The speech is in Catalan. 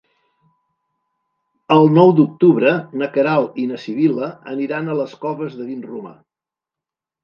El nou d'octubre na Queralt i na Sibil·la aniran a les Coves de Vinromà.